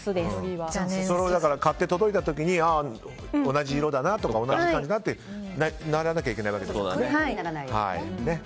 買って届いた時に同じ色だなとか同じ感じだなってならなきゃいけないわけですね。